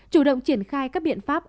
chủ động triển khai các biện pháp